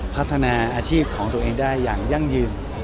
พัฒนาอาชีพของตัวเองได้อย่างยั่งยืน